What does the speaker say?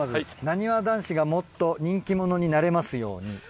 「なにわ男子がもっと人気者になりますように‼」。